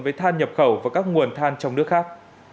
với than nhập khẩu và các nguồn than trong nước khác